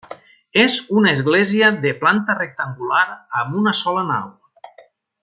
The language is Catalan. És una església de planta rectangular amb una sola nau.